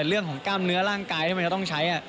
เรื่องของกล้ามเนื้อร่างกายที่มันจะต้องใช้